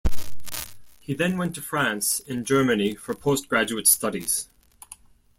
He then went to France and Germany for postgraduate studies.